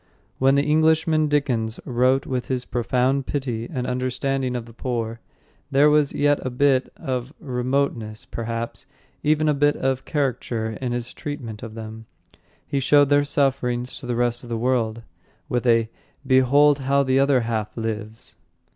When the Englishman Dickens wrote with his profound pity and understanding of the poor, there was yet a bit; of remoteness, perhaps, even, a bit of caricature, in his treatment of them. He showed their sufferings to the rest of the world with a "Behold how the other half lives!"